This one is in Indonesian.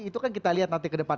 itu kan kita lihat nanti ke depan